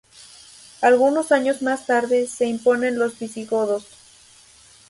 Algunos años más tarde, se imponen los visigodos.